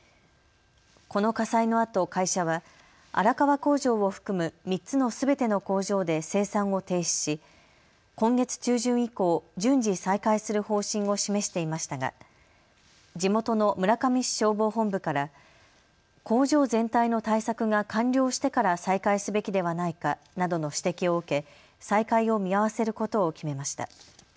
この火災のあと会社は荒川工場を含む３つのすべての工場で生産を停止し今月中旬以降、順次、再開する方針を示していましたが地元の村上市消防本部から工場全体の対策が完了してから再開すべきではないかなどの指摘を受け、再開を見合わせることを決めました。